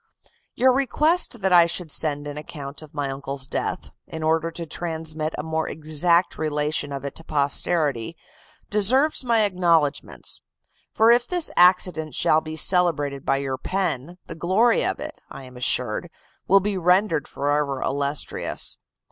"Your request that I should send an account of my uncle's death, in order to transmit a more exact relation of it to posterity, deserves my acknowledgments; for if this accident shall be celebrated by your pen, the glory of it, I am assured, will be rendered forever illustrious.